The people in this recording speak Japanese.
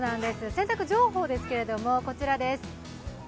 洗濯情報ですけれども、こちらです。